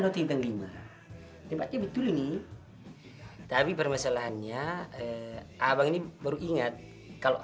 hotel bintang lima tempatnya betul ini tapi permasalahannya abang ini baru ingat kalau